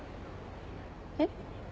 えっ？